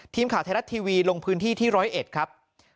ทีมข่าวไทยรัฐทีวีลงพื้นที่ที่๑๐๑ครับ